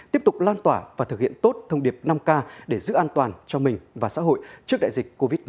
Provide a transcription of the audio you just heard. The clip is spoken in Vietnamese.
tiếp tục lan tỏa và thực hiện tốt thông điệp năm k để giữ an toàn cho mình và xã hội trước đại dịch covid một mươi chín